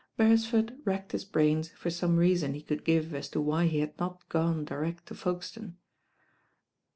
Bcresford racked his brains for some reason he could give as to why he had not gone direct to Folke stone.